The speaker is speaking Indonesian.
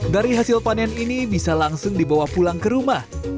dari hasil panen ini bisa langsung dibawa pulang ke rumah